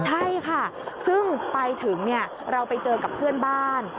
ใช่ค่ะซึ่งไปถึงเราไปเจอกับเพื่อนบ้าน